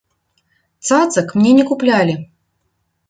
Цацак мне не куплялі.